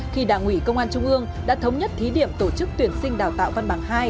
khi đảng ủy công an trung ương đã thống nhất thí điểm tổ chức tuyển sinh đào tạo văn bằng hai